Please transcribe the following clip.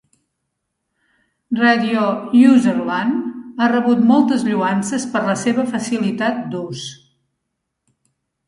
Radio UserLand ha rebut moltes lloances per la seva facilitat d'ús.